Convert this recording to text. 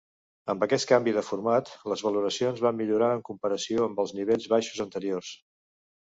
Amb aquest canvi de format, les valoracions van millorar en comparació amb els nivells baixos anteriors.